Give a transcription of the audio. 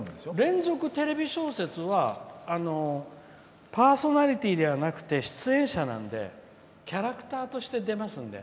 連続テレビ小説はパーソナリティーではなくて出演者なのでキャラクターとして出ますんで。